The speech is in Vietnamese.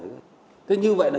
thế như vậy là chúng ta mất